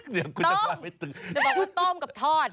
จะบอกว่าต้มกับทอด